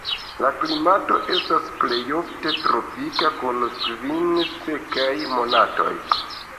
La klimato estas plejofte tropika kun kvin sekaj monatoj.